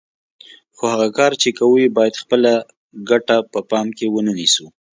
خو هغه کار چې کوو یې باید خپله ګټه په پام کې ونه نیسو.